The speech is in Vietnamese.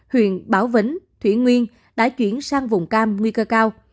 huyện bảo vĩnh thủy nguyên đã chuyển sang vùng cam nguy cơ cao